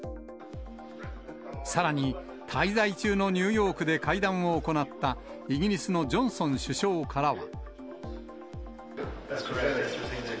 さらに、滞在中のニューヨークで会談を行ったイギリスのジョンソン首相からは。